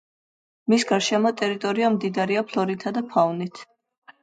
მის გარშემო ტერიტორია მდიდარია ფლორითა და ფაუნით.